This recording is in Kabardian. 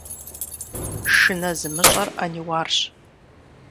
Шынэ зымыщӀэр Ӏэниуарщ!